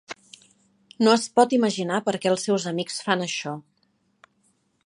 No es pot imaginar perquè els seus amics fan això.